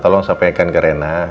tolong sampaikan ke reina